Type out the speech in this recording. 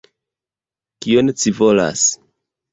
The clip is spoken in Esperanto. Kion ci volas?